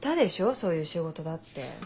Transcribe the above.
そういう仕事だって。